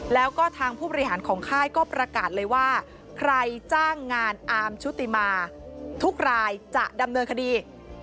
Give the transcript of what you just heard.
แล้วก็ทางผู้บริหารของค่ายก็ประกาศเลยว่าใครจ้างงานอาร์มชุติมาทุกรายจะดำเนินคดี